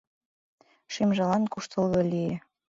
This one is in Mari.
Шӱмжылан куштылго лие.